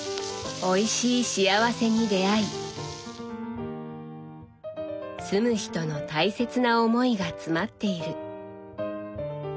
おいしい幸せに出会い住む人の大切な思いが詰まっている。